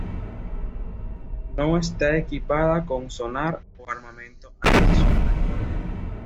No está equipada con sonar o armamento anti-submarino.